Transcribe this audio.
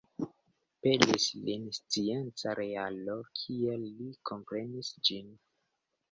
Pelis lin scienca realo, kiel li komprenis ĝin.